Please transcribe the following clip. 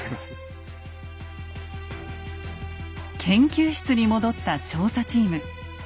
研究室に戻った調査チーム。